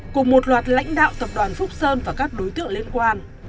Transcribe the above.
cùng một loạt lãnh đạo tập đoàn phúc sơn và các đối tượng liên quan